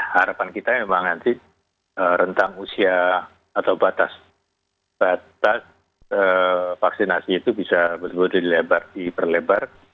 harapan kita emang nanti rentang usia atau batas vaksinasi itu bisa berlebar di perlebar